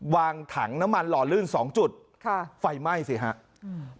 วางถังน้ำมันหล่อลื่นสองจุดค่ะไฟไหม้สิฮะอืม